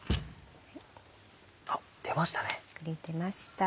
あっ出ましたね。